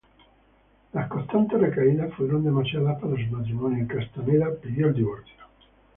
Las constantes recaídas fueron demasiado para su matrimonio, y Castaneda pidió el divorcio.